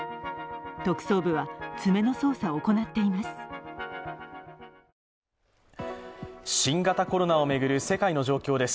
特捜部は詰めの捜査を行っています。